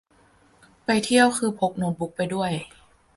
ไปเที่ยวคือพกโน๊ตบุ๊กไปด้วย